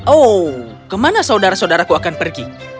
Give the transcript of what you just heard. oh ke mana saudara saudara ku akan pergi